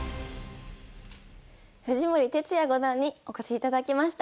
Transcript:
藤森哲也五段にお越しいただきました。